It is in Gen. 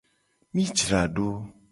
Mi jra do.